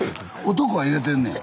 男は入れてんねや。